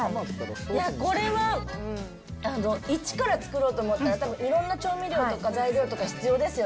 これは一から作ろうと思ったら、たぶん、いろんな調味料とか材料そうなんですよ。